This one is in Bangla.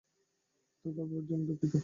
ওর ব্যাপারটার জন্য দুঃখিত।